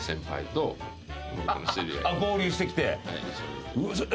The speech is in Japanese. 合流してきて。